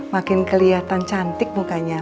makin kelihatan cantik mukanya